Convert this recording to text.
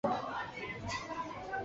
婚后一年生了个女婴